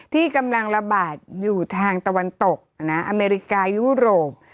ที่กำลังระบาดอยู่ทางตะวันตกอเมริกายุโรป